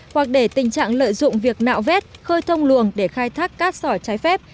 hoặc để tình trạng lợi dụng việc nạo vét khơi thông luồng để khai thác cát sỏi trái phép